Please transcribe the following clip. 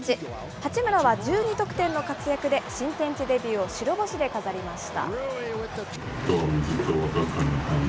八村は１２得点の活躍で、新天地デビューを白星で飾りました。